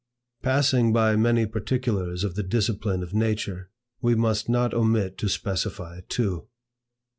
Passing by many particulars of the discipline of nature, we must not omit to specify two.